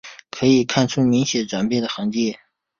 可以看出明显转变的痕迹